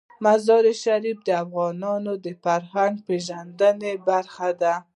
مزارشریف د افغانانو د فرهنګي پیژندنې برخه ده.